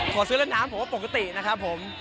ขอซื้อเล่นน้ำผมก็ปกตินะครับผม